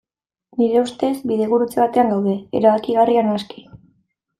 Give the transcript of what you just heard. Nire ustez, bidegurutze batean gaude, erabakigarria naski.